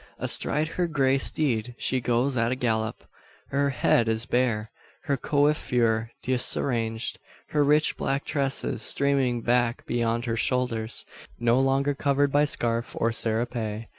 Astride her grey steed she goes at a gallop. Her head is bare; her coiffure disarranged; her rich black tresses streaming back beyond her shoulders, no longer covered by scarf or serape.